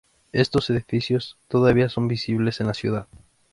Estos edificios todavía son visibles en la ciudad.